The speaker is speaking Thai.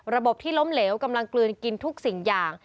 ระบบที่ล้มเหลวกำลังกลืนกินทุกสิ่งอย่าง